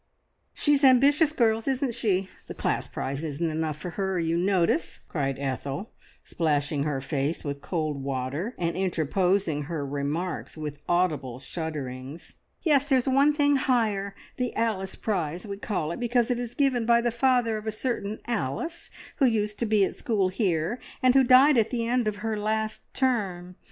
"She's ambitious, girls, isn't she? The class prize isn't enough for her, you notice!" cried Ethel, splashing her face with cold water, and interposing her remarks with audible shudderings. "Yes, there's one thing higher the `Alice Prize,' we call it, because it is given by the father of a certain Alice who used to be at school here, and who died at the end of her last term.